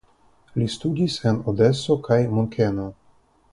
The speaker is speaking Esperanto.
Li studis en Odeso kaj Munkeno.